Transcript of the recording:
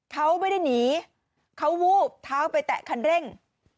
เขาไม่ได้หนีเขาวูบเท้าไปแตะคันเร่ง